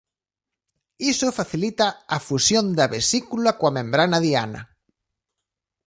Isto facilita a fusión da vesícula coa membrana diana.